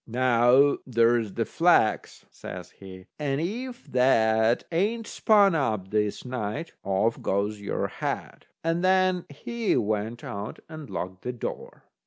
"Now, there's the flax," says he, "and if that ain't spun up this night, off goes your head." And then he went out and locked the door.